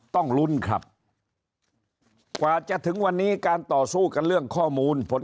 ต้องลุ้นครับกว่าจะถึงวันนี้การต่อสู้กันเรื่องข้อมูลผล